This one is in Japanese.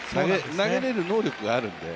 投げれる能力があるんで。